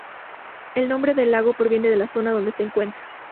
El nombre del lago proviene de la zona donde se encuentra.